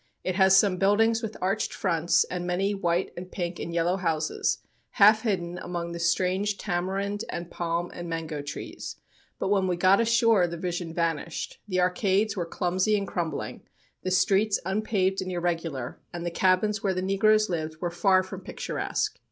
It has some buildings with arched fronts and many white and pink and yellow houses, half hidden among the strange tamarind and palm and mango trees, but when we got ashore the vision vanished. The arcades were clumsy and crumbling, the streets unpaved and irregular, and the cabins where the negroes lived were far from picturesque.